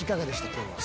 今日は。